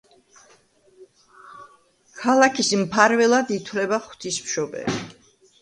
ქალაქის მფარველად ითვლება ღვთისმშობელი.